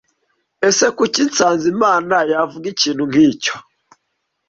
Ese Kuki Sanzimana yavuga ikintu nkicyo?